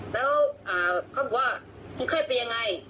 แล้วอ่าเขาบอกว่าคุณไข้ไปยังไง